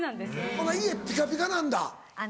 ほな家ピカピカなんだ。